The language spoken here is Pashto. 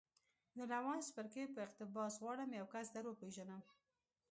له روان څپرکي په اقتباس غواړم یو کس در وپېژنم